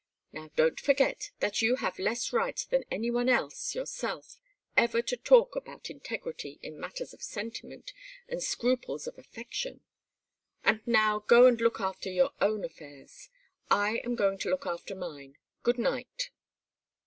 Now don't forget that you have less right than anyone else yourself ever to talk about integrity in matters of sentiment, and scruples of affection. And now go and look after your own affairs. I am going to look after mine. Good night!"